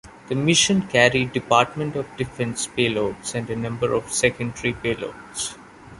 The mission carried Department of Defense payloads and a number of secondary payloads.